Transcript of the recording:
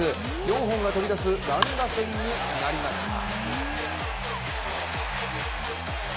４本が飛び出す乱打戦になりました